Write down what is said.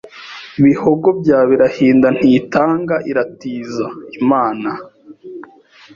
Bihogo bya Birahinda ntitanga iratizaImana